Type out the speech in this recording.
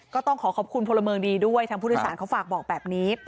ก็ต้องขอขอบคุณพลเมืองดีด้วยทางผู้โดยสารเขาฝากบอกแบบนี้